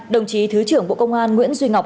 đồng chí thứ trưởng bộ công an nguyễn duy ngọc